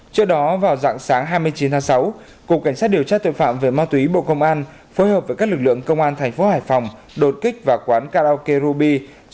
trước đó vào dạng sáng hai mươi chín tháng sáu cục cảnh sát điều tra tội phạm về ma túy bộ công an phối hợp với các lực lượng công an thành phố hải phòng đột kích vào quán karaoke ruby